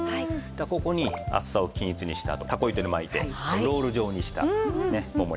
ここに厚さを均一にしたあとたこ糸で巻いてロール状にしたモモ肉ですね。